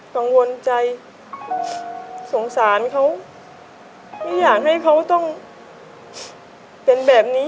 กังวลใจสงสารเขาไม่อยากให้เขาต้องเป็นแบบนี้